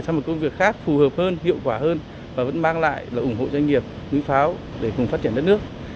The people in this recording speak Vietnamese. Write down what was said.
sang một công việc khác phù hợp hơn hiệu quả hơn và vẫn mang lại là ủng hộ doanh nghiệp núi pháo để cùng phát triển đất nước